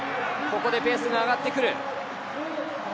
ここでペースが上がってくる。